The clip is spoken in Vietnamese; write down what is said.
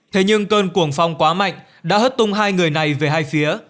thế nhưng cơn cuồng phong quá mạnh đã hất tung hai người này về hai phía